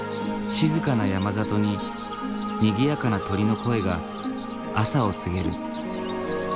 静かな山里ににぎやかな鳥の声が朝を告げる。